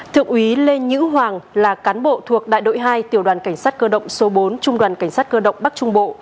thượng úy lê nhữ hoàng là cán bộ thuộc đại đội hai tiểu đoàn cảnh sát cơ động số bốn trung đoàn cảnh sát cơ động bắc trung bộ